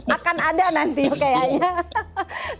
akan ada nanti kayaknya